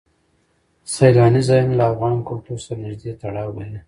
سیلاني ځایونه له افغان کلتور سره نږدې تړاو لري.